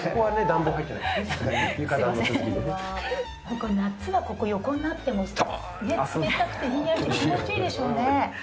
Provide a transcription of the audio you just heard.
これ夏はここ横になっても冷たくてひんやりして気持ちいいでしょうね。